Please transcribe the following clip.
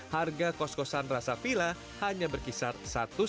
harga kos kosan rasa villa hanya berkisar satu lima sampai dua lima juta saja per bulan